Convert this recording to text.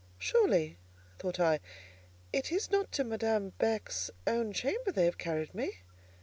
"Surely," thought I, "it is not to Madame Beck's own chamber they have carried me!"